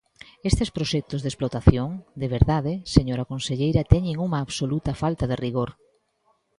Estes proxectos de explotación, de verdade, señora conselleira, teñen unha absoluta falta de rigor.